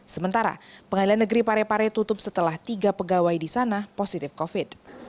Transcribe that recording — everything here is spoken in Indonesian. sementara pengadilan negeri pare pare tutup setelah tiga pegawai di sana positif covid sembilan belas